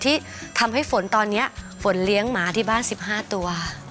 ที่ทำให้ฝนตอนนี้ฝนเลี้ยงหมาที่บ้าน๑๕ตัว